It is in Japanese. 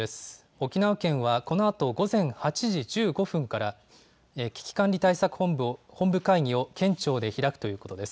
沖縄県はこのあと午前８時１５分から、危機管理対策本部会議を県庁で開くということです。